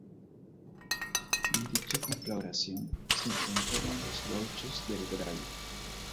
En dicha conflagración se enfrentaron los gauchos del Gral.